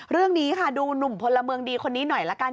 เรื่องนี้ค่ะดูหนุ่มพลเมืองดีคนนี้หน่อยละกัน